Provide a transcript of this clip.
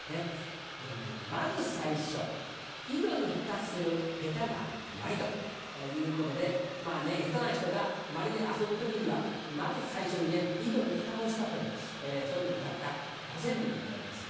「先ず最初井戸に蓋する下手な鞠」ということで下手な人が鞠で遊ぶ時には先ず最初に井戸に蓋をしたというそういうのを歌った古川柳でございます。